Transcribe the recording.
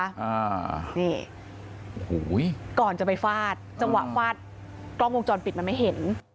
อ่านี่โอ้โหก่อนจะไปฟาดจังหวะฟาดกล้องวงจรปิดมันไม่เห็น